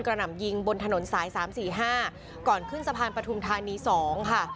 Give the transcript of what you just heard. หนำยิงบนถนนสาย๓๔๕ก่อนขึ้นสะพานปฐุมธานี๒ค่ะ